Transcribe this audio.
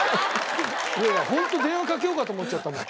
いやホント電話かけようかと思っちゃったもん。